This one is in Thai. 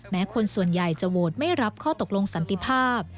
คนส่วนใหญ่จะโหวตไม่รับข้อตกลงสันติภาพ